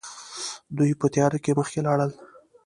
دوی په تياره کې مخکې لاړل.